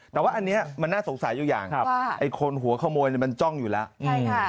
แต่ว่าอันนี้มันน่าสงสัยอยู่อย่างไอ้คนหัวขโมยมันจ้องอยู่แล้วใช่ค่ะ